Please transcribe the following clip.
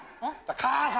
「母さん。